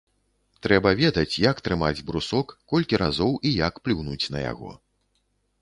Трэба ведаць, як трымаць брусок, колькі разоў і як плюнуць на яго.